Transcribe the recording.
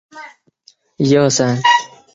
曾祖父王俊。